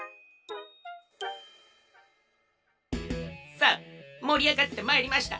さあもりあがってまいりました